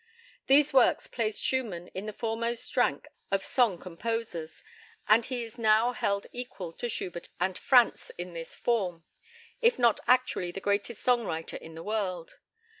These works placed Schumann in the foremost rank of song composers, and he is now held equal to Schubert and Franz in this form, if not actually the greatest song writer in the world.